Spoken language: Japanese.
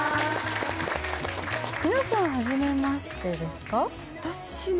皆さんはじめましてですか？